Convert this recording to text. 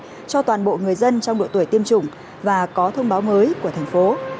hà nội sẽ tiếp tục tiêm chủng mũi hai cho toàn bộ người dân trong độ tuổi tiêm chủng và có thông báo mới của thành phố